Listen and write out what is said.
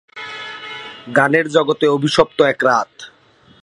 গানের জগতে অভিশপ্ত এক রাত।